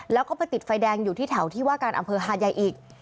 แล้วก็ไปติดไฟแดงอยู่ที่แถวที่ว่าการอำเภอหาดใหญ่อีก